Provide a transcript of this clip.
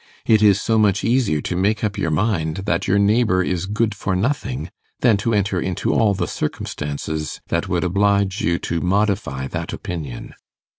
It is so much easier to make up your mind that your neighbour is good for nothing, than to enter into all the circumstances that would oblige you to modify that opinion.